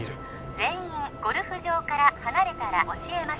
全員ゴルフ場から離れたら教えます